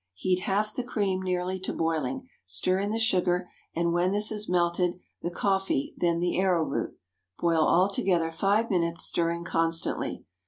Heat half the cream nearly to boiling, stir in the sugar, and, when this is melted, the coffee; then the arrowroot. Boil all together five minutes, stirring constantly.